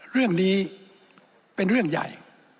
เรื่องนี้เป็นเรื่องใหญ่